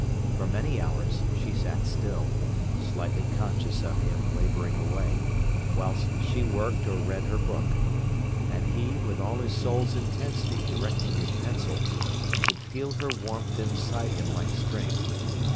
For many hours she sat still, slightly conscious of him labouring away, whilst she worked or read her book. And he, with all his soul's intensity directing his pencil, could feel her warmth inside him like strength.